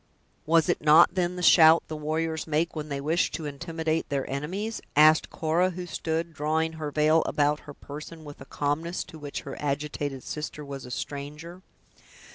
"Was it not, then, the shout the warriors make when they wish to intimidate their enemies?" asked Cora who stood drawing her veil about her person, with a calmness to which her agitated sister was a stranger.